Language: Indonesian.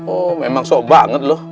oh emang sok banget loh